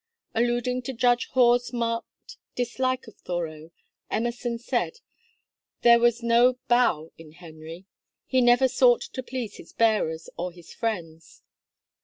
Alluding to Judge Hoar's marked dislike of Thoreau, Emerson said, 'There was no bow in Henry; he never sought to please his hearers or his friends.'